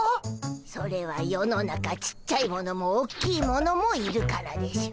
それは世の中ちっちゃいものもおっきいものもいるからでしゅ。